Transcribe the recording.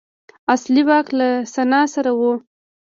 اصلي واک له سنا سره و.